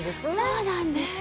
そうなんですよ。